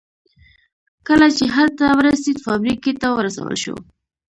کله چې هلته ورسېد فابریکې ته ورسول شو